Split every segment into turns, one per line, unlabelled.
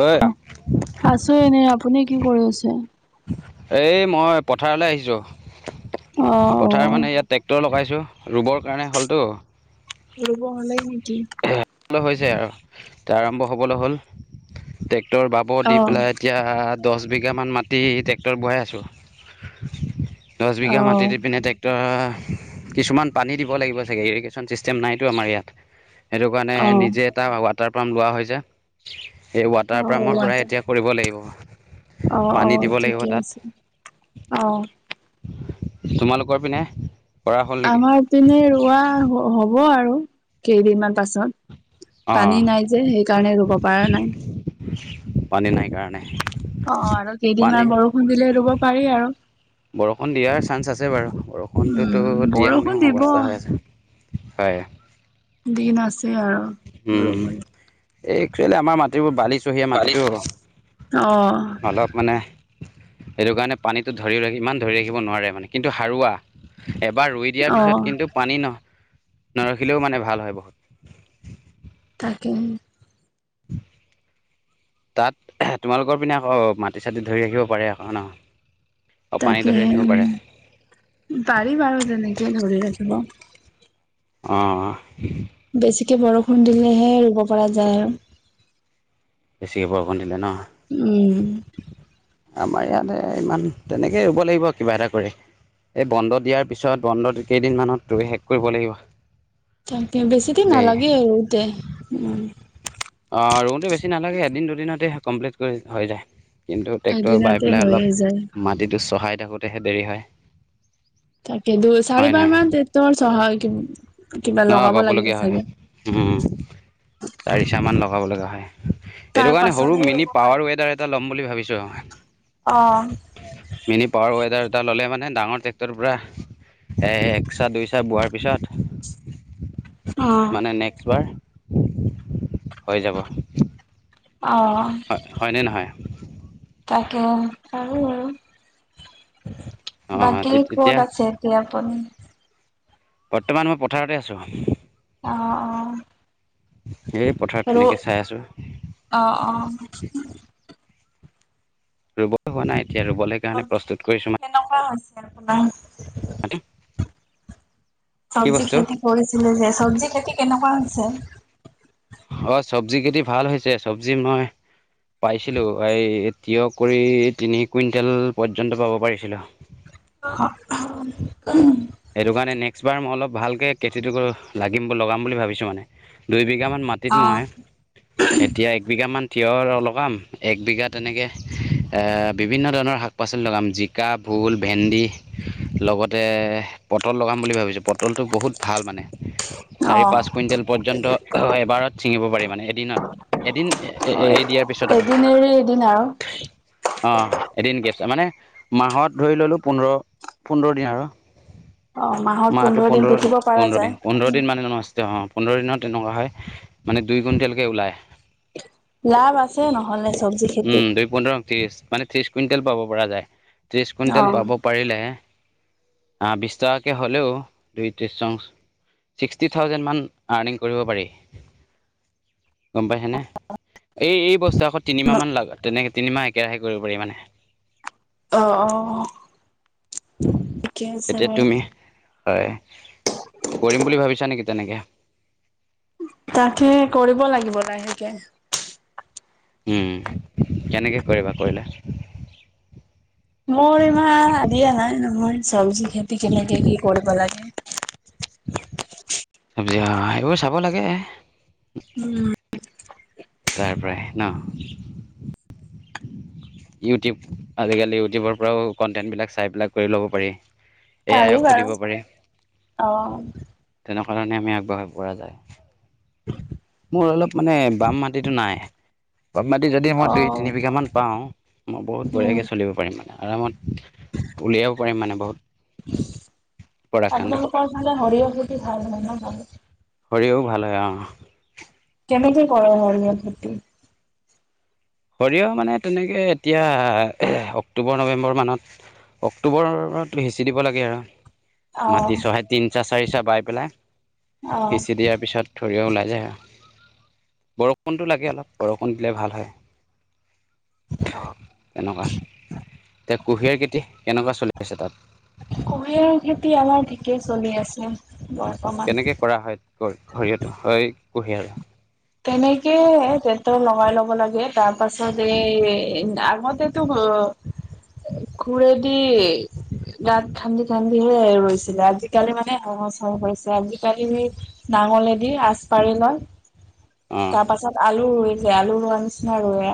ঐ
আছো এনেই আপুনি কি কৰি আছে
এই মই পথাৰলৈ আহিছোঁ।
অ অ।
পথাৰ মানে ইয়াত ট্ৰেক্টৰ লগাইছোঁ ৰুবৰ কাৰণে হ'লতো।
ৰুব হলে নেকি?
হৈছে আৰু এতিয়া আৰম্ভ হ'বলৈ হ'ল ট্ৰেক্টৰ বাবৰ
অ
দি পেলাই এতিয়া। দহ বিঘামান মাটি ট্ৰেক্টৰ বহাই আছোঁ। দহ
অ
বিঘা মাটি দি পিনে ট্ৰেক্টৰৰ কিছুমান পানী দিব লাগিব চাগে ইৰিগেশ্যন চিষ্ট। নাইতো আমাৰ ইয়াত সেইটো কাৰণে
অ।
নিজে এটা ৱাটাৰ পাম্প লোৱা হৈছে। এই ৱাটাৰ পাম্পৰ পৰাই এতিয়া কৰিব লাগিব।
আহ
পানী
আহ
দিব লাগিব
ঠিকেই
তাত
আছে আহ।
তোমালোকৰ পিনে। কৰা হ'ল নেকি
আমাৰ পিনে ৰোৱা হ'ব আৰু কেইদিনমান পাছত।
অঁ
পানী নাই যে সেইকাৰণে ৰুব পৰা নাই।
পানী নাই কাৰণে।
অহঁ আৰু
পানী
কেইদিনমান বৰষুণ দিলে ৰুব পাৰি আৰু।
বৰষুণ দিয়াৰ চান্স আছে বাৰু বৰষুণটোতো
উম
দিয়ো
বৰষুণ
নিদিয়ো
দিব।
অৱস্থা হৈ আছে হয়।
দিন আছে আৰু ৰব।
এই একচুৱেলি আমাৰ মাটিবোৰ বালিচহীয়া মাটিটো
অ
অলপ মানে। সেইটো কাৰণে পানীটো ধৰি ৰাখি ইমান ধৰি ৰাখিব নোৱাৰে মানে কিন্তু সাৰুৱা। এবাৰ ৰুই দিয়াৰ
অ
পিছত কিন্তু পানী ন নৰখিলেও মানে ভাল হয় বহুত।
তাকেহে।
[unintelligible] তাত তোমালোকৰ পিনে আকৌ মাটি চাটি ধৰি ৰাখিব পাৰে আকৌ নহঁ।
তাকেহে উম পাৰি বাৰু তেনেকে ধৰি ৰাখিব।
অহঁ
বেছিকে বৰষুণ দিলেহে ৰুব পৰা যায় আৰু
বেছিকৈ বৰষুণ দিলে নহঁ
উম।
আমাৰ ইয়াত ইমান তেনেকেই ৰুব লাগিব আৰু কিবা এটা কৰি। এই বন্ধ দিয়াৰ পিছত বন্ধ কেইদিনমানত শেষ কৰিব লাগিব।
তাকে বেছিদিন
দেই
নালাগে ৰুতে উম।
অহঁ ৰুটে বেছি নালাগে এদিন দুদিনতে কমপ্লিট কৰি হৈ যায়। কিন্তু ট্ৰেক্টৰ বাই
এদিনতে
পেলাই
হৈয়ে
অলপ
যায়
মাটিটো চহাই থাকোতেহে দেৰি হয়।
তাকে দুই
হয়
চাৰিবাৰ মান টেক্টৰ চহাই কিন্তু।
অহ বাবলগীয়া হয় চাৰিচাহ মান লগাব লগা হয়। এইটো
তাৰ
কাৰণে সৰু
পাছতহে
মিনি
ৰুব
পাৱাৰ
পাৰি
ৱেডাৰ এটা ল'ম বুলি ভাবিছো।
অ
মিনি পাৱাৰ ৱেডাৰ এটা ল'লে মানে। নে ডাঙৰ ট্ৰেক্টৰৰ পৰা এক চাহ দুই চাহ বোৱাৰ পিছত।
অ
মানে নেক্স বাৰ হৈ যাব।
অ
হয় হয়নে নহয়।
এহ পাৰি বাৰু।
অঁ
বাকী
তেতিয়া
কত আছে এতিয়া আপুনি।
বৰ্তমান মই পথাৰতে আছো।
অহ অহ।
এই পথাৰত
আৰু
তেনেকৈ চাই আছোঁ
অহঁ অহঁ।
ৰুবলৈ হোৱা নাই এতিয়া ৰুবলৈ কাৰণে
চব্জি
প্ৰস্তুত কৰিছোঁ মানে কি
চবজি
বস্তু
খেতি কৰিছিলে যে চবজি খেতি কেনেকুৱা। ছে।
হয় চবজি খেটি ভাল হৈছে চবজি মই। পাইছিলো এই তিয় কুৰি তিনি কুইণ্টেল পৰ্যন্ত পাব পাৰিছিলো।
[unintelligible]
সেইটো কাৰণে নেক্সট বাৰ মই অলপ ভালকে খেতিটো কৰো লাগিমব লগাম বুলি ভাবিছো মানে দুইবি। গ্যামান মাটিত
অ
মই এতিয়া একবিঘামান। তিঁয়হৰ লগাম এক বিঘা তেনেকে। এ বিভিন্ন ধৰণৰ শাক পাচলি লগাম জিকা ভোল ভেন্দি লগতে। পটল লগাম বুলি ভাবিছোঁ পটলটো বহুত ভাল মানে। চাৰি
অ',
পাঁচ কুইণ্টেল পৰ্যন্ত এবাৰত ছিঙিব পাৰি মানে এদিনত। এদিন এ
অ',
এ দিয়াৰ পিছত আৰু।
এদিন এৰি এদিন আৰু
অ এদিন গেছ আছে মানে। মাহত ধৰি ললো পোন্ধৰ পোন্ধৰ দিন আৰু।
অ', মাহত
মাহটো
দিন
পোন্ধৰ
পিটিব পৰা
পোন্ধৰ দিন
যায়।
পোন্ধৰ দিন মানে নষ্ট হ। পোন্ধৰ দিনত তেনেকুৱা হয় মানে দুই কুইণ্টেলকে ওলায়।
লাভ আছে নহ'লে চব্জি
উম
খেতিত
দুই পোন্ধৰ ত্ৰিশ মানে ত্ৰিশ ক। তেল পাব পৰা যায় তিশ কুইণ্টেল
অ'।
পাব পাৰিল আ বিছ। চাকে হ'লেও দুই তিচং। ছিক্সটি থাউজেণ্ড মান আৰ্নিং কৰিব পাৰি। গম পাই ছেনে। এই এই বস্তু আকৌ তিনিমাহ মান লাগ তেনেকে তিনিমাহ একেৰাহে কৰিব পাৰি মানে।
অ অহ।
এতিয়া তুমি হয় কৰিম বুলি ভাবিছা নেকি তেনেকে।
তাকে কৰিব লাগিব লাহেকে।
উম কেনেকে কৰিবা কৰিলে।
মোৰ ইমান আদিয়া নাই নহয় চবজি খেতি কেনেকে কি কৰিব লাগে।
চবজি অ এইবোৰ চাব লাগে।
উম।
তাৰ পৰাই ন। ইউটিউব আজিকালি ইউটিউবৰ পৰাও কণ্টেন্ট বিলাক চাই পেলাই কৰি ল'ব পাৰি। এই
পাৰি
আয়ক
বাৰু
সুধিব পাৰি
অ'।
তেন। কাৰণে আমি আগবঢ়াব পৰা যায়। মোৰ অলপ মানে বাম মাটিতটো নাই বাম মাটি যদি মই দুই তিনি
অ'।
বিঘা মান পাওঁ। মই বহুত
উম,
বঢ়িয়াকে চলিব পাৰিম মানে আৰামত উলিয়াব পাৰিম মানে। বহুত প্ৰডাকশ্যনটো
আপোনালোকৰ ভালে সৰিয়হ খেটি ভাল নাই ন ভাল।
সৰিহৰ ভাল হয় অ।
কেনেকে কৰ ইমান খেতি।
সৰিয়হ মানে তেনেকে এতিয়া অক্টোবৰ নৱেম্বৰ মানত। অক্টোবৰত সিঁচি দিব লাগে আৰু।
অ',
মাটি চহে তিনি চাহ চাৰি চাহ বাই পেলাই?
অ',
সিঁচি দিয়াৰ পিছত ধৰি ওলাই যায় বৰ। বৰষণটো লাগে অলপ বৰষুণ দিলে ভাল হয়। তেনেকুৱা এতিয়া কুঁহিয়াৰ খেতি কেনেকুৱা চলি আছে তাত।
কুঁহিয়াৰ খেতি আমাৰ ঠিকে চলি আছে। বৰ্তমান।
কেনেকে কৰা হয় ঘৰিহটো হয় কহি আৰু।
তেনেকে টেক্টৰ লগাই ল'ব লাগে তাৰ পাছত এই আগতেটো। অ কোৰেদি? গাত খান্দি খান্দিহে ৰৈছিলে আজিকালি মানে সহজ হৈছে আজিকালি। নাঙলেদি আচ পাৰি লয়।
অঁ
তাৰ পাছত আলু ৰুইছে, আলু ৰোৱা নিচিনা ৰুৱে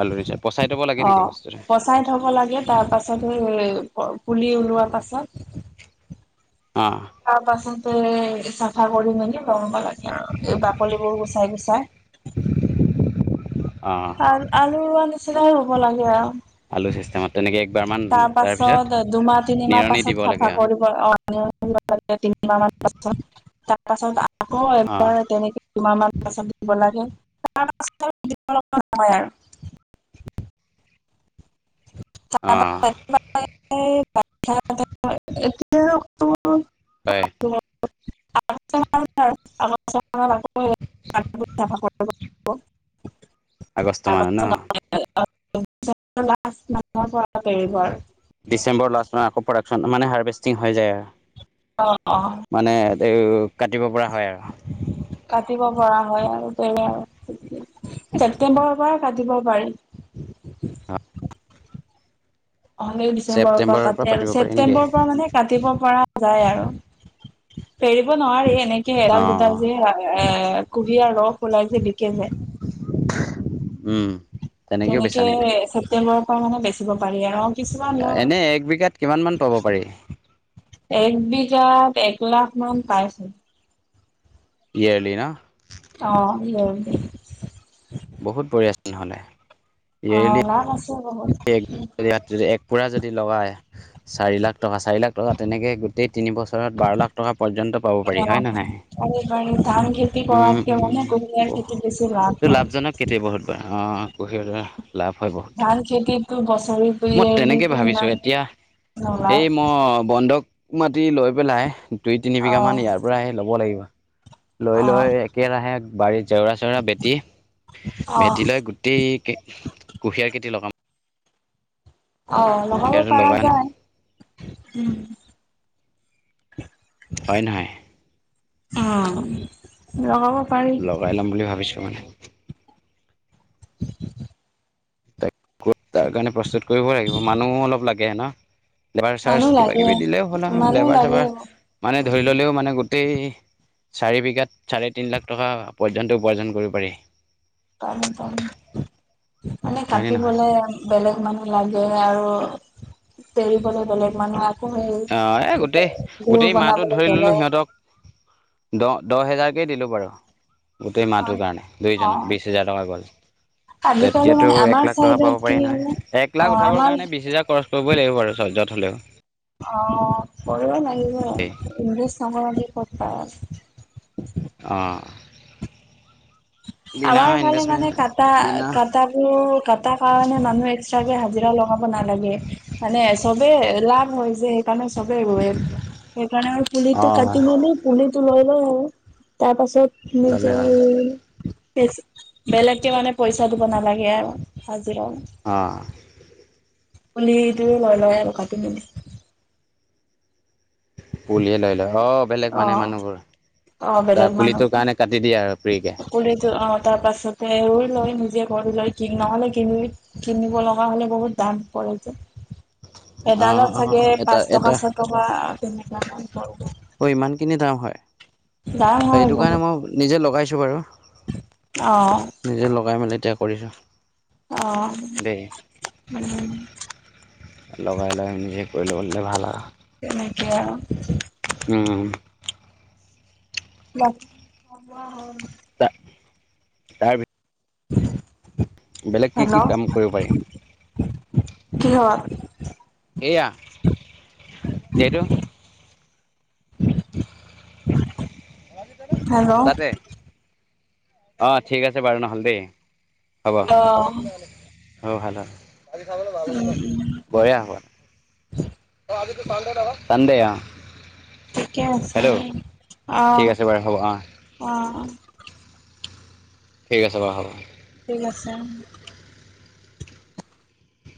আলু নিচিনা পচাই থ'ব লাগে
অ,
নেকি বস্তুটো
পচাই থব লাগে তাৰ পাছত পুলি ওলো প পুলি ওলোৱাৰ পাছত
অঁ
তাৰ পাছত তে চাফা কৰি মেলি ৰনব লাগে আৰু এই বাকলিবোৰ গুচাই গুচাই
[unintelligible]
আ আলু ৰোৱা নিচিনাই ৰুব লাগে আও।
আলু চিষ্টেমত তেনেকৈ একবাৰমান
তাৰ
তাৰপিছত
পাছত দুমাহ -তিনিমাহ
নিৰণি
পাছত
দিব লাগে
চাফা
আৰু
কৰিব অ তিনি -মাহ মান পাছত, তাৰপাছত আ আকৌ
অঁ
এবাৰ তেনেকে দুমাহ পাছত চাব লাগে। সাৰ চাৰ দিব লগা নহয় আও।
অঁ
[unintelligible]
হয়।
[unintelligible] [unintelligible]
আগষ্ট
তাৰ
মানত ন?
পাছত [unintelligible]
ডিচেম্বৰ লাষ্ট মান আকৌ প্ৰডাকশ্যন মানে হাৰ্ভেষ্টিং হৈ যায় আৰু।
অ অ।
মানে এই কাটিব পৰা হয় আৰু।
কাটিব পৰা হয় আৰু তেনে আৰু, ছেপ্তেম্বৰৰ পৰা কাটিব পাৰি।
অ।
অহলে ডিচেম্বৰৰ পৰা কাটে আৰু
পাতিব পাৰি নেকি
ছেপ্তেম্বৰৰ পৰা মানে কাটিব পৰা যায় আৰু। ফেৰিব নোৱাৰি এনেকে এডাল দুডাল
অ',
যে এ কুহিয়াৰ ৰস ওলাই যে বিকে যে।
উম। তেনেকেও বেচা
তেনেকে
নেকি?
ছেপ্তেম্বৰৰ পৰা মানে বেচিব পাৰি আৰু। কিছুমান
এনে এক বিঘাত কিমান মান পাব পাৰি
নহয়। এই বিঘাত এক লাখ মান পাইছে।
ইয়েৰলী ন?
অ ইয়েৰলী।
বহুত বঢ়িয়া চোন তেনেহলে।
অ নানছ হ
এক পোৰা যদি লগায়, চাৰি লাখ টকা চাৰি লাখ টকা তেনেকে গোটেই তিনি বছৰত বাৰ লাখ টকা পৰ্যন্ত পাব পাৰি
অ
হয় ন নহয়?
পাৰি পাৰি ধান খেতি
উম
কৰাতকে মানে
উম,
কুঁহিয়াৰ খেতিত
বহুত
বেছি লাভ
ত
হয়
লাভজনক কেতিয়া বহুত বাৰু অ। প সেৰে [unintelligible]
ধান খেতিত বছ
মই তেনেকে ভাবিছো এতিয়া
নোলায়
এই মই বন্ধ ক মাতি লৈ পেলাই দুই -তিনি
অ
বিঘামান ইয়াৰ পৰা আহি ল'ব লাগিব। লৈ
অ
লৈ একেৰাহে বাৰীত জেওৰা চেওৰা বেটি
অ
ভেটী লৈ গোটেই কে কুহিয়াৰ খেতি লগাম।
অ লগাব
কুঁহিয়াৰটো
পাৰা
লগাই
যায় উম।
হয় নহয়?
উম, লগাব পাৰি
লগাই লম বুলি ভাবিছো মানে।
উ [inaudible]
তাক তাৰ কাৰণে প্ৰস্তুত কৰিব লাগিব মানুহো অলপ লাগে ন? লেবাৰ চাৰ্জ
মানুহ
কিবা
লাগে
কিবি দিলেও হ'ল আৰু
মানুহ
লেবাৰ
লাগে
চবাৰ মানে ধৰি ললেও মানে গো টেই চাৰি বিঘাত, চাৰে তিনি লাখ টকা পৰ্যন্ত উপাৰ্জন কৰিব পাৰি।
পামি পামি মানে
হয়নে নহয়
কাটিবলে বেলেগ মানুহ লাগে আৰু এৰিবলৈ বেলেগ মানুহ আকৌ
অহ এ গোটেই
সেই গুৰ
গোটেই মাহটো
বনাবলৈ
ধৰি ললো
বেলেগ
সিহঁতক দহ দহ হেজাৰকেই দিলোঁ বাৰু গোটেই
অ
মাহটোৰ কাৰণে দুইজনক
অ',
বিশ হেজাৰ টকা গ'ল।
আজিকালি
তেতিয়াতো
মানে আমাৰ
এক লাখ টকা পাব
চাইডত
পাৰি
কি
নাই
মানে
এক
অ
লাখ উঠাবৰ
আমাৰ
কাৰণে বিশ হেজাৰ খৰচ কৰিবই লাগিব বাৰু চহজত হলেও
অহঁ কৰিবা নাই ইংলিছ নকৰাকে কত পাই
উ [unintelligible]
আমাৰ ফালে মানে কটা কটাবোৰ কটা কাৰণে মানুহ এক্সট্ৰাকে হাজিৰা লগাব নালাগে। লাগে মানে চবে লাভ হয় যে সেইকাৰণে চবেই ৰোৱে সেইকাৰণে আৰু পুলিটো
অঁ
কাটি মেলি পুলিটো লৈ আৰু তাৰ পাছত
ল'লে
নিজে
হ'ল
বেলেগকে মানে পইচা দিব নালাগে আৰু
অঁহ
পুলিটো লয় লয় আৰু কাটি মেলি
পুলিয়ে লৈ লয় অহ বেলেগ
অ
মানে মানুহবোৰ
অ
তাৰ
বেলেগ মানুহ,
পুলিটোৰ কাৰণে কাটি দিয়ে আৰু ফ্ৰীকে
পুলিটো অহঁ তাৰ পাছত সেবাৰ লয় নিজে কৰি লৈ কিনে নহলে কিনিব কিনিব লগা হলে বহুত দাম পৰে যে
[inaudible] অঁ
এডালত
অঁ
চাগে
এটা
পাঁচ টকা
এটা
ছয় টকা টেনেকা মান পৰিব।
অহঁ ইমানখিনি দাম হয়
দাম হয়
এইটো কাৰণে
বহুত
মই নিজে লগাইছোঁ। বাৰু
অ',
নিজে লগাই মেলি এতিয়া কৰিছোঁ।
অ',
দেই
উম,
লগাই লয় নিজে কৰি লবলে ভাল আৰু
এনেকে আৰু
উম।
বাকি
তাৰ ভিতৰত বেলেগ কি কি
হেল্ল'
কাম কৰিব পাৰি।
কিহত
এয়া যিহেতু
হেল্ল'
তাতে অ ঠিক আছে বাৰু নহ'লে দেই হ'ব
অ',
অহ' ভাল' ভাল বঢ়িয়া হব। অহঁ আজিতো চান্দে নহয়। চান্দে অহঁ।
ঠিকে আছে
ঠিক
অহঁ
আছে বাৰু হ'ব অ
অহঁ।
ঠিক আছে বাৰু হ'ব।
ঠিক আছে।